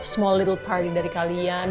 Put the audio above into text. small little party dari kalian